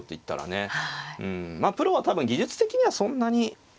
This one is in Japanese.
プロは多分技術的にはそんなに。